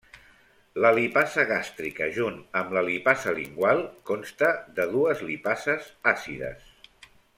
La lipasa gàstrica junt amb la lipasa lingual, consta de dues lipases àcides.